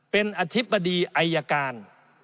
เป็นอธิบดีอายการ